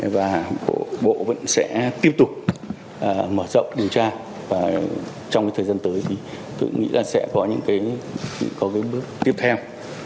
và trong thời gian tới tôi nghĩ sẽ có những bước tiếp theo